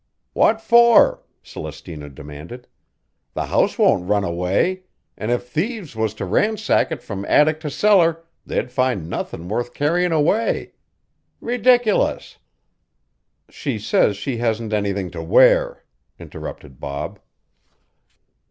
"What for?" Celestina demanded. "The house won't run away, an' if thieves was to ransack it from attic to cellar they'd find nothin' worth carryin' away. Ridiculous!" "She says she hasn't anything to wear," interrupted Bob.